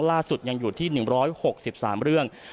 ล่าสุดยังอยู่ที่๑๖๓เรื่อง